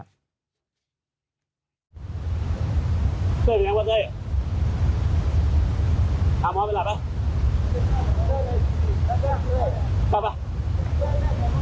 เกิดยังไงว่าเกิดอย่างเนี้ยทางหมอไปหลับล่ะ